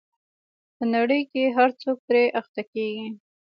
په نړۍ کې هر څوک پرې اخته کېږي.